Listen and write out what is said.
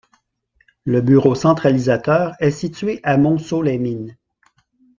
Le bureau centralisateur est situé à Montceau-les-Mines.